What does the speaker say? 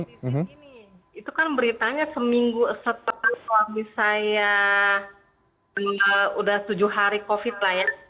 ini itu kan beritanya seminggu setelah suami saya udah tujuh hari covid lah ya